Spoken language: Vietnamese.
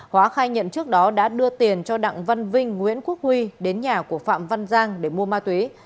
hóa khai nhận trước đó đã đưa tiền cho đặng văn vinh nguyễn quốc huy đến nhà của phạm văn giang để mua ma túy